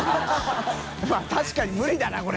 まぁ確かに無理だなこれ。